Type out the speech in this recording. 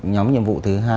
nhóm nhiệm vụ thứ hai